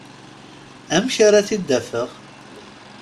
Amek ara t-id-afeɣ?